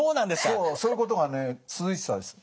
そうそういうことが続いてたんです。